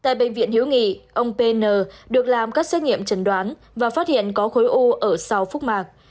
tại bệnh viện hiếu nghị ông pn được làm các xét nghiệm trần đoán và phát hiện có khối u ở sau phúc mạc